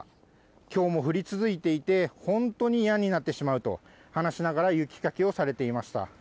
きょうも降り続いていて、本当に嫌になってしまうと話しながら、雪かきをされていました。